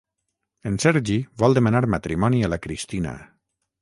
En Sergi vol demanar matrimoni a la Cristina.